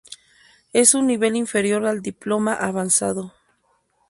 Es un nivel inferior al Diploma Avanzado.